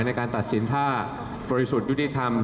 ในการตัดสินถ้าบริสุทธิ์ยุติธรรม